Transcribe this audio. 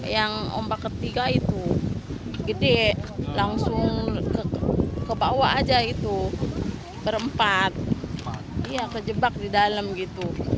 yang ombak ketiga itu gede langsung ke bawah aja itu berempat kejebak di dalam gitu